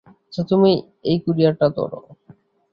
আচ্ছা, তুমি এই কুরিয়ারটা ধরো।